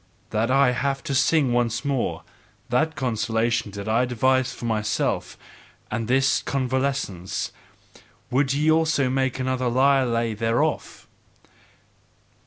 That I have to sing once more THAT consolation did I devise for myself, and THIS convalescence: would ye also make another lyre lay thereof?"